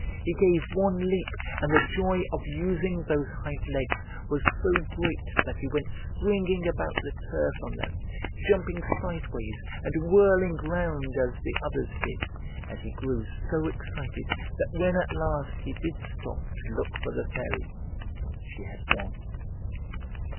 He gave one leap and the joy of using those hind legs was so great that he went springing about the turf on them, jumping sideways and whirling round as the others did, and he grew so excited that when at last he did stop to look for the Fairy she had gone.